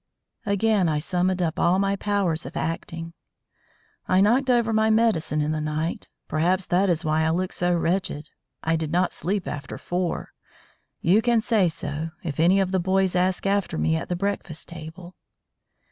Again I summoned up all my powers of acting. "I knocked over my medicine in the night. Perhaps that is why I look so wretched. I did not sleep after four. You can say so, if any of the boys ask after me at the breakfast table."